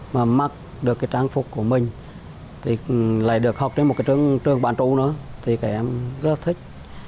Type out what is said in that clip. học được cái trang phục của mình thì lại được học đến một cái trường trường bán chú nữa thì các em rất thích